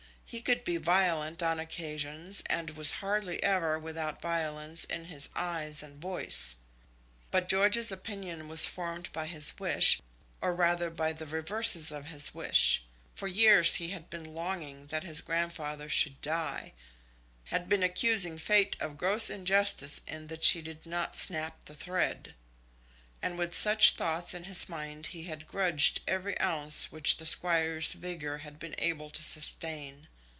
He could be violent on occasions, and was hardly ever without violence in his eyes and voice. But George's opinion was formed by his wish, or rather by the reverses of his wish. For years he had been longing that his grandfather should die, had been accusing Fate of gross injustice in that she did not snap the thread; and with such thoughts in his mind he had grudged every ounce which the Squire's vigour had been able to sustain.